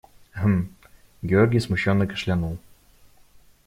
Гм… – Георгий смущенно кашлянул.